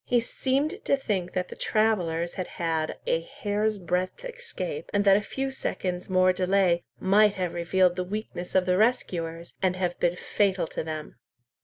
He seemed to think that the travellers had had a hair's breadth escape, and that a few seconds' more delay might have revealed the weakness of the rescuers and have been fatal to them.